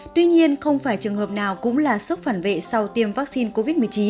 tuy nhiên không phải trường hợp nào cũng là sốc phản vệ sau tiêm vaccine covid một mươi chín